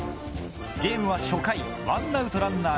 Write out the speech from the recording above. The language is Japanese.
ゲームは初回１アウトランナー